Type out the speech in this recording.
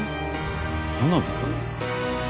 花火かな？